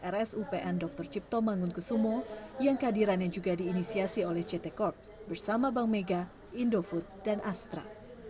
rsupn dr cipto mangunkusumo yang kehadirannya juga diinisiasi oleh ct corp bersama bank mega indofood dan astra